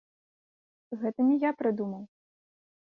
Гэта не я прыдумаў.